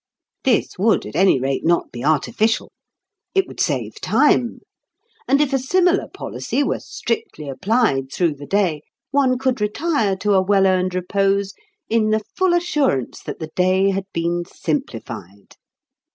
This would at any rate not be artificial. It would save time. And if a similar policy were strictly applied through the day, one could retire to a well earned repose in the full assurance that the day had been simplified.